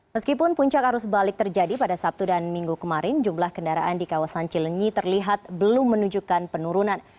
meskipun puncak arus balik terjadi pada sabtu dan minggu kemarin jumlah kendaraan di kawasan cilenyi terlihat belum menunjukkan penurunan